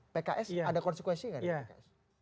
pks ada konsekuensi nggak